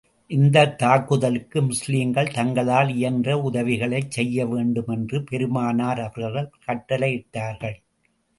இந்தத் தாக்குதலுக்கு முஸ்லிம்கள் தங்களால் இயன்ற உதவிகளைச் செய்ய வேண்டும் என்று பெருமானார் அவர்கள் கட்டளையிட்டார்கள்.